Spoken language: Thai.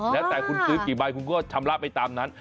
แล้วแต่คุณซื้อกี่ใบคุณก็ชำระไปตามนั้น